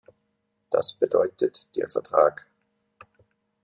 Das bedeutet der Vertrag.